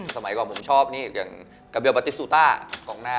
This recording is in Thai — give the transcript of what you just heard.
สมัยก่อนผมชอบอย่างกับเบียวบาติสตูต้า